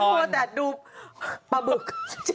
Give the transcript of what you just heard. ฉันพอแต่ดูประบึก